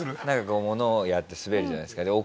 なんかこうものをやってスベるじゃないですか。